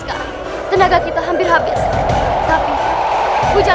kadang kadang pupilahmu meletupi tulisan